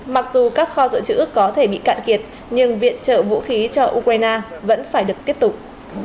mặc dù các kho dự trữ có thể bị cạn kiệt nhưng viện trợ vũ khí cho ukraine vẫn phải được tiếp tục